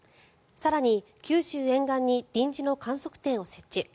更に、九州沿岸に臨時の観測点を設置。